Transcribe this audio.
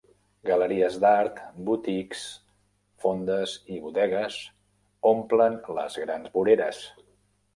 Galeries d'art, boutiques, fondes i bodegues omplen les grans voreres.